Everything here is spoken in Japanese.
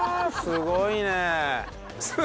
すごいね！